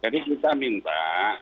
tadi kita minta